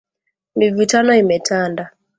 Mivutano imetanda